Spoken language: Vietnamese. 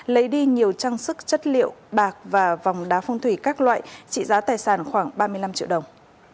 lấy đi nhiều trang sức chất liệu bạc và vòng đá phong thủy các loại trị giá tài sản khoảng ba mươi năm triệu đồng